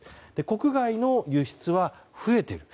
国外の輸出は増えている。